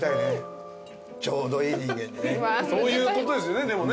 そういうことですよねでもね。